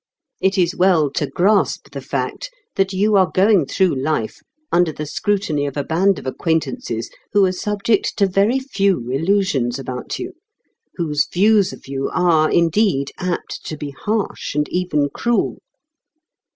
It is well to grasp the fact that you are going through life under the scrutiny of a band of acquaintances who are subject to very few illusions about you, whose views of you are, indeed, apt to be harsh and even cruel.